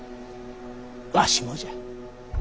わしもじゃ。